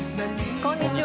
こんにちは。